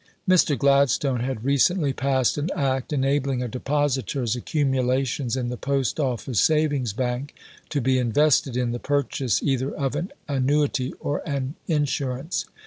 Mr. Gladstone had recently passed an Act enabling a depositor's accumulations in the Post Office Savings Bank to be invested in the purchase either of an Annuity or an Insurance.